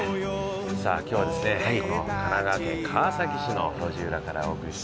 今日はですね神奈川県川崎市の路地裏からお送りして。